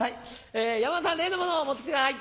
山田さん例のものを持ってきてください。